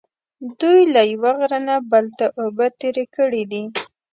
دوی له یوه غره نه بل ته اوبه تېرې کړې دي.